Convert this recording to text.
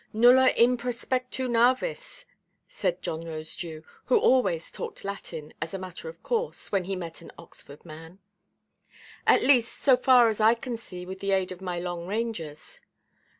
"Nulla in prospectu navis," said John Rosedew, who always talked Latin, as a matter of course, when he met an Oxford man; "at least, so far as I can see with the aid of my long–rangers."